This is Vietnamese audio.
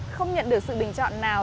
không nhận được sự bình chọn nào